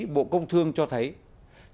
bộ công thương cho thấy là